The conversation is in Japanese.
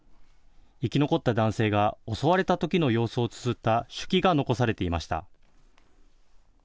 生き残った男性が襲われたときの様子をつづった手記が残されていました。